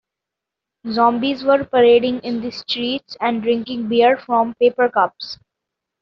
Zombies were parading in the streets and drinking beer from paper cups.